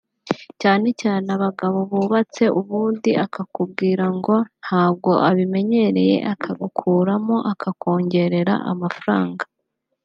cyane cyane abagabo bubatse ubundi akakubwira ngo ntabwo abimenyereye akagakuramo akakongerera amafaranga